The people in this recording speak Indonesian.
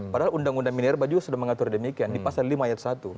padahal undang undang minerba juga sudah mengatur demikian di pasal lima ayat satu